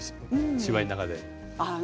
芝居の中で。